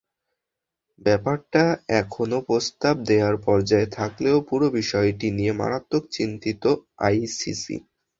ব্যাপারটা এখনো প্রস্তাব দেওয়ার পর্যায়ে থাকলেও পুরো বিষয়টি নিয়ে মারাত্মক চিন্তিত আইসিসি।